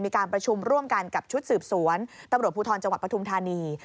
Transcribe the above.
มีการประชุมร่วมกันกับชุดสืบสวนตำรวจภูทรจังหวัดปฐุมธานี